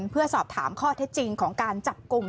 เพื่อสอบถามข้อเท็จจริงของการจับกลุ่ม